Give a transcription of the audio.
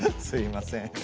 すいません。